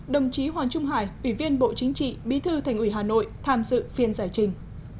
đồng chí hoàng trung hải ủy viên bộ chính trị bí thư thành ủy hà nội tham dự phiên giải trình